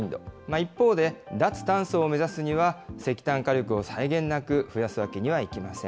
一方で、脱炭素を目指すには、石炭火力を際限なく増やすわけにはいきません。